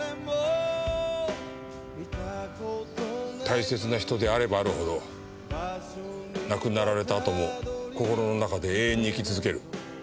大切な人であればあるほど亡くなられたあとも心の中で永遠に生き続ける。